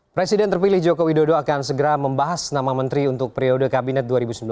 presiden terpilih joko widodo akan segera membahas nama menteri untuk periode kabinet dua ribu sembilan belas dua ribu dua puluh